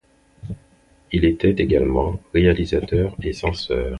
Il était également réalisateur et censeur.